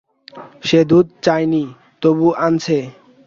সে দুধ চায় নি, তবু আনছে।